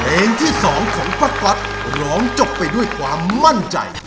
เพลงที่๒ของป้าก๊อตร้องจบไปด้วยความมั่นใจ